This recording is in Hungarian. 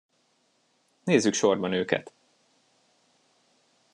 Nézzük sorban őket!